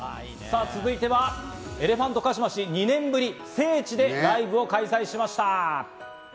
続いてはエレファントカシマシ、２年ぶり、聖地でライブ開催です。